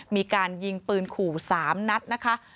มีการยิงปืนขู่๓นัดนะคะ